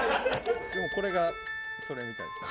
でもこれがそれみたいです。